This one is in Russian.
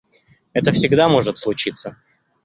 Это всегда может случиться.